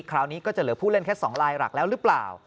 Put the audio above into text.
คราวนี้ก็จะเหลือผู้เล่นแค่๒ลายหลักแล้วหรือเปล่า